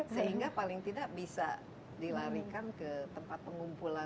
sehingga paling tidak bisa dilarikan ke tempat pengumpulan